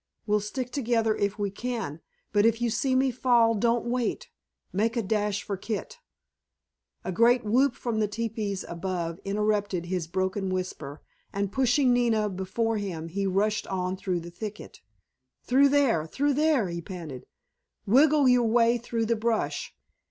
We'll stick together if we can, but if you see me fall don't wait, make a dash for Kit——" a great whoop from the teepees above interrupted his broken whisper, and pushing Nina before him he rushed on through the thicket. "Through there—through there," he panted, "wiggle your way through the brush!"